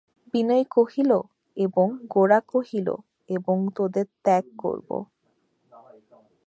বিনয় কহিল, এবং– গোরা কহিল, এবং তোমাদের ত্যাগ করব।